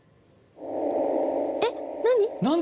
えっ何！？